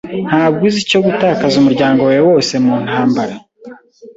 Ntabwo uzi icyo gutakaza umuryango wawe wose muntambara.